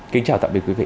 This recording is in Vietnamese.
kính chào tạm biệt quý vị